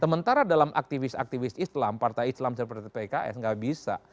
sementara dalam aktivis aktivis islam partai islam seperti pks nggak bisa